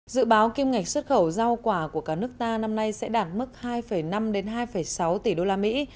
dự báo kim ngạch xuất khẩu rau quả của cả nước ta năm nay sẽ đạt mức hai năm hai sáu tỷ đô la mỹ